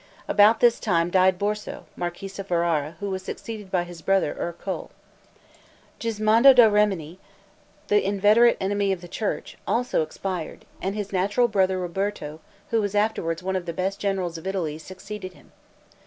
About this time died Borso, marquis of Ferrara, who was succeeded by his brother Ercole. Gismondo da Rimini, the inveterate enemy of the church also expired, and his natural brother Roberto, who was afterward one of the best generals of Italy, succeeded him.